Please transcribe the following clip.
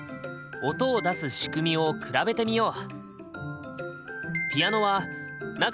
音を出す仕組みを比べてみよう。